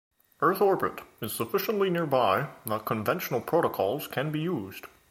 Earth orbit is sufficiently nearby that conventional protocols can be used.